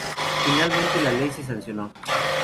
Finalmente la ley se sancionó.